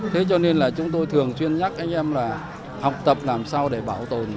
thế cho nên là chúng tôi thường xuyên nhắc anh em là học tập làm sao để bảo tồn